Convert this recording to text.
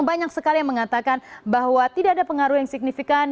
banyak sekali yang mengatakan bahwa tidak ada pengaruh yang signifikan